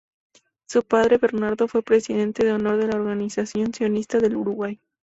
Su padre, Bernardo, fue presidente de honor de la Organización Sionista del Uruguay.